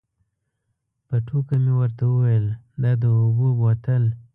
په ټوکه مې ورته وویل دا د اوبو بوتل.